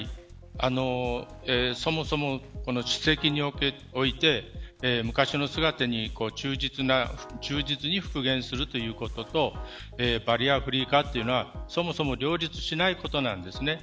そもそも史跡において昔の姿に忠実に復元するということとバリアフリー化というのはそもそも両立しないことなんですね。